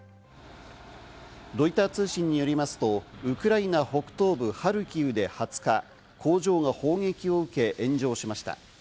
ロイター通信によりますと、ウクライナ北東部ハルキウで２０日、工場が砲撃を受け、炎上しました。